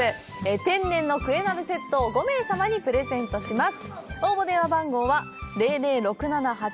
天然クエ鍋セットを５名様にプレゼントします。